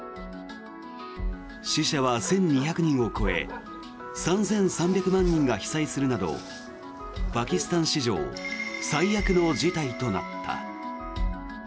死者は１２００人を超え３３００万人が被災するなどパキスタン史上最悪の事態となった。